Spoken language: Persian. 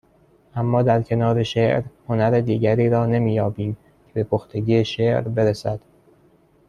اما در کنار شعر هنر دیگری را نمییابیم که به پختگی شعر برسد